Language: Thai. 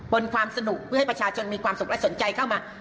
ความสนุกเพื่อให้ประชาชนมีความสุขและสนใจเข้ามา